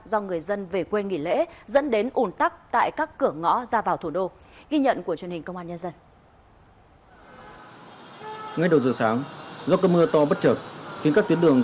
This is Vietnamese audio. do người dân về quê nghỉ lễ dẫn đến ủn tắc tại các cửa ngõ ra vào thủ đô